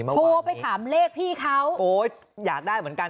เดี๋ยววันที่นี้โทรไปถามเลขพี่เขาโอ๊ยอยากได้เหมือนกัน